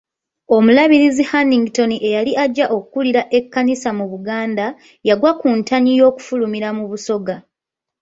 Omulabirizi Hannington eyali ajja okukulira Ekkanisa mu Buganda, yagwa ku ntanyi y'okufulumira mu Busoga.